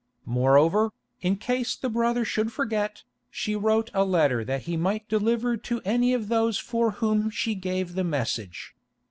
Moreover, in case the brother should forget, she wrote a letter that he might deliver to any of those for whom she gave the message.